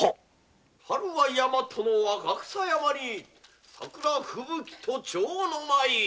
「春は大和の若草山に桜吹雪と蝶の舞」